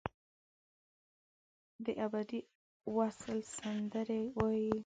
دابدي وصل سندرې وایې